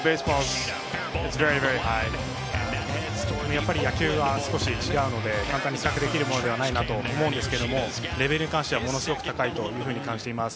やっぱり野球は少し違うので簡単に比較できるものではないと思うんですがレベルに関してはものすごく高いなと思います。